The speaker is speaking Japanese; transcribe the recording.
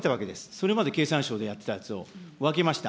それまで経産省でやってたやつを分けました。